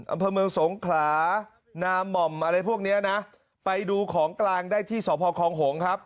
อำเภอเมืองสงขลานามห่อมอะไรพวกเนี้ยนะไปดูของกลางได้ที่สพคองหงครับ